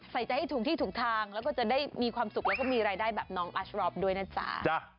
ใส่ใจให้ถูกที่ถูกทางแล้วก็จะได้มีความสุขแล้วก็มีรายได้แบบน้องอัชรอฟด้วยนะจ๊ะ